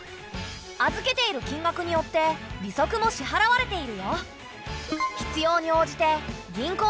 預けている金額によって利息も支払われているよ。